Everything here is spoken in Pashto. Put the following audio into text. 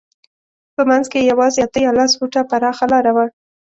په منځ کې یې یوازې اته یا لس فوټه پراخه لاره وه.